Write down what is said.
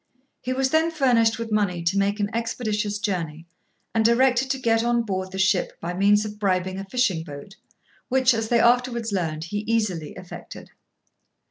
He was then furnished with money to make an expeditious journey, and directed to get on board the ship by means of bribing a fishing boat, which, as they afterwards learned, he easily effected.